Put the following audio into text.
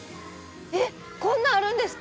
えっこんなんあるんですか？